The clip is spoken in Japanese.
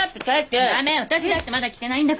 駄目私だってまだ着てないんだから。